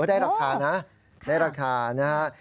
ได้ราคานะได้ราคานะฮะ